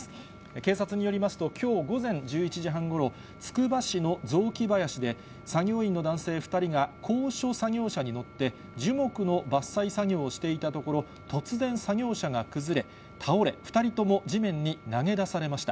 警察によりますと、きょう午前１１時半ごろ、つくば市の雑木林で、作業員の男性２人が、高所作業車に乗って、樹木の伐採作業をしていたところ、突然、作業車が倒れ、２人とも地面に投げ出されました。